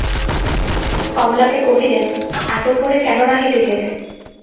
কমলাকে কহিলেন, এত ভোরে কেন নাহিতে গেলে?